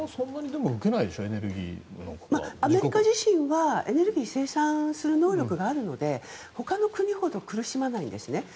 アメリカ自身はエネルギーを生産する能力があるのでほかの国ほど苦しまないんですね。